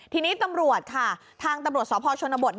ทีนี้ตำรวจค่ะทางตำรวจสพชนบท